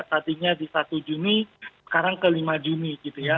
tadinya di satu juni sekarang ke lima juni gitu ya